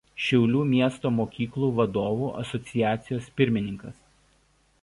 Šiaulių miesto mokyklų vadovų asociacijos pirmininkas.